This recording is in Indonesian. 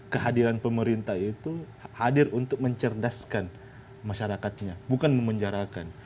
kehadiran pemerintah itu hadir untuk mencerdaskan masyarakatnya bukan memenjarakan